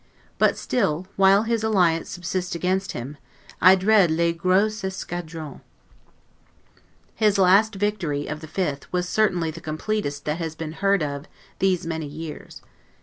But still, while his alliance subsists against him, I dread 'les gros escadrons'. His last victory, of the 5th, was certainly the completest that has been heard of these many years.